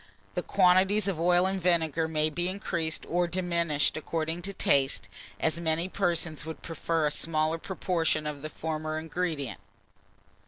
The quantities of oil and vinegar may be increased or diminished according to taste, as many persons would prefer a smaller proportion of the former ingredient.